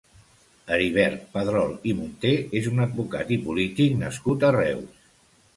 Heribert Padrol i Munté és un advocat i polític nascut a Reus.